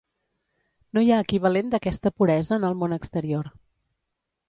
No hi ha equivalent d'aquesta puresa en el món exterior.